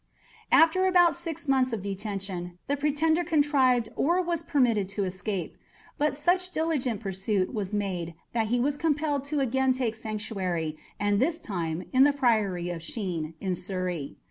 After about six months of detention, the pretender contrived or was permitted to escape; but such diligent pursuit was made that he was compelled to again take sanctuary, and this time in the Priory of Shene, in Surrey.